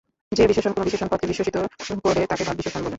যে বিশেষণ কোন বিশেষণ পদকে বিশেষিত করে তাকে ভাববিশেষণ বলে।